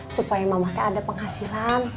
supaya mamah teh ada penghasilan